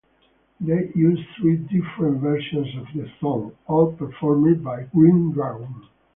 They used three different versions of the song, all performed by Green Dragon.